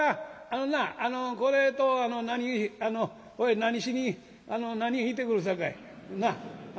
あのなこれと何何しに何へ行ってくるさかい。